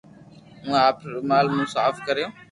ھون آپري رومال مون صاف ڪريا